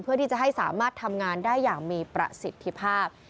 เพื่อที่จะให้สามารถทำงานได้อย่างมีประสิทธิภาพ